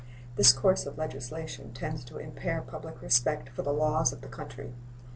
This course of legislation tends to impair public respect for the laws of the country.